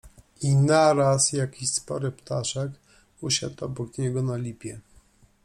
I naraz jakiś spory ptaszek usiadł obok niego na lipie.